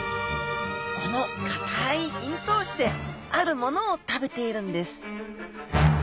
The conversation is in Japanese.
このかたい咽頭歯であるものを食べているんです